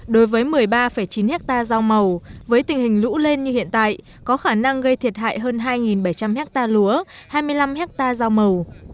đối với một mươi ba chín ha dao màu với tình hình lũ lên như hiện tại có khả năng gây thiệt hại hơn hai bảy trăm linh ha lúa hai mươi năm ha dao màu